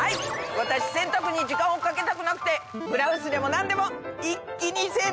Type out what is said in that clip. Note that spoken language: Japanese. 私洗濯に時間をかけたくなくてブラウスでもなんでも一気に洗濯しちゃうんです！